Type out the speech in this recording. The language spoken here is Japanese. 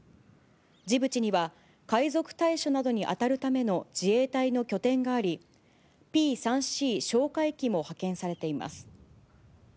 ジブチには、海賊対処などに当たるための自衛隊の拠点があり、Ｐ３Ｃ哨戒機も派遣されています。